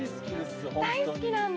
大好きなんだ